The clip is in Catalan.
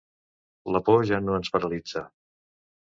La por ja no ens paralitza.